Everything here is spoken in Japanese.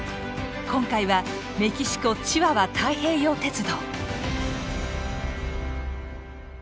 今回はメキシコ・チワワ太平洋鉄道。